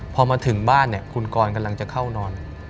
พอมาถึงบ้านเนี่ยคุณกรกำลังจะเข้านอน